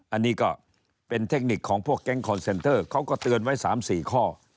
อันนี้ก็เป็นเทคนิคของพวกแก๊งคอนเซ็นเตอร์เขาก็เตือนไว้๓๔ข้อ